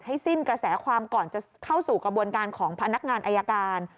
สิ้นกระแสความก่อนจะเข้าสู่กระบวนการของพนักงานอายการ